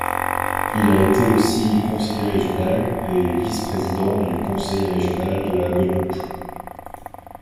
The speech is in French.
Il a été aussi conseiller régional et vice-président du conseil régional de la Guadeloupe.